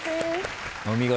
お見事。